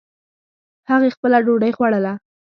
هغې خپله ډوډۍ خوړله